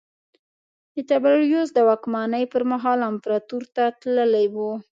د تبریوس د واکمنۍ پرمهال امپراتور ته تللی و